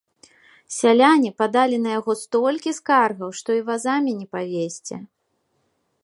Сяляне падалі на яго столькі скаргаў, што і вазамі не павезці.